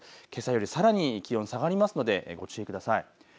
けさよりさらに気温下がりますのでご注意ください。